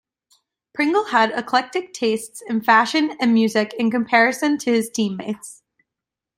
Pringle had eclectic tastes in fashion and music in comparison to his team-mates.